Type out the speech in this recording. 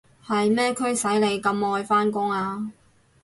係咩驅使你咁愛返工啊？